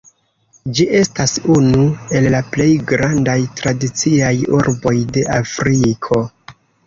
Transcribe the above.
Ĝi estas unu el la plej grandaj tradiciaj urboj de Afriko.